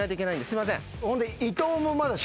すいません。